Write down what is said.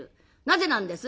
なぜなんです？